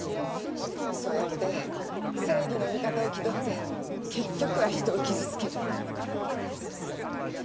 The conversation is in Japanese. そうやって正義の味方を気取って結局は人を傷つける。